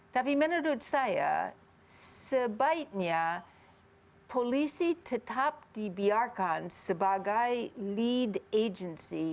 tapi menurut saya sebaiknya polisi tetap dibiarkan sebagai lead agency